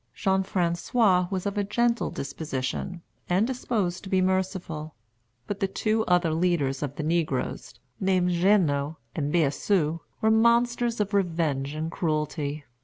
Jean François was of a gentle disposition, and disposed to be merciful; but the two other leaders of the negroes, named Jeannot and Biassou, were monsters of revenge and cruelty.